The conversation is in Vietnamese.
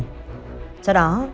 sau đó có thể là người thân quen